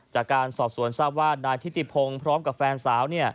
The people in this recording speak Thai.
จากการสอบสวนทราบว่านายทิติพงศ์พร้อมกับแฟนสาว